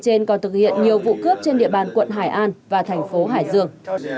trên còn thực hiện nhiều vụ cướp trên địa bàn quận hải an và thành phố hải dương